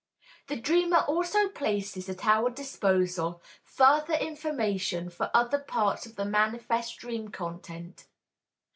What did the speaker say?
The dreamer also places at our disposal further information for other parts of the manifest dream content.